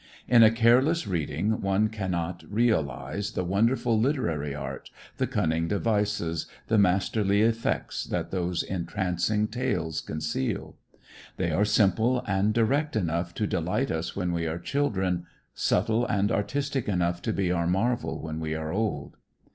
In a careless reading one can not realize the wonderful literary art, the cunning devices, the masterly effects that those entrancing tales conceal. They are simple and direct enough to delight us when we are children, subtle and artistic enough to be our marvel when we are old.